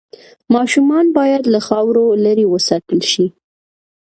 ماشومان باید له خاورو لرې وساتل شي۔